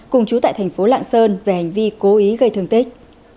cùng chú tại thành phố lạng sơn về hành vi cố ý gây thương tích